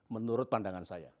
menurut pandangan saya